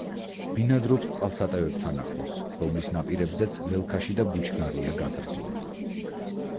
ბინადრობს წყალსატევებთან ახლოს, რომლის ნაპირებზეც ლელქაში და ბუჩქნარია გაზრდილი.